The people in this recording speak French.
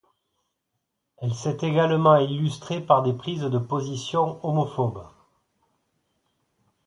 Elle s'est également illustrée par des prises de position homophobes.